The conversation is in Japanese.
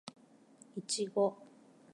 いちご